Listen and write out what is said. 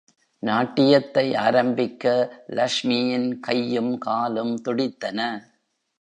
நாட்டியத்தை ஆரம்பிக்க, லஷ்மியின் கையும், காலும் துடித்தன.